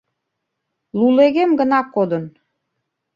Лулегем гына кодын.